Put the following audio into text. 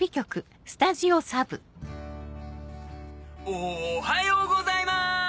おはようございます！